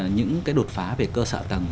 những cái đột phá về cơ sở tầng